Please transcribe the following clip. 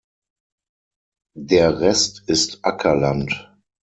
Der Rest ist Ackerland.